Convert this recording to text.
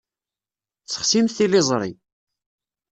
Sexsimt tiliẓṛi.